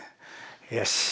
よし。